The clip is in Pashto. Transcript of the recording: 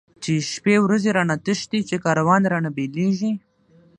چی شپی ورځی را نه تښتی، چی کاروان را نه بیلیږی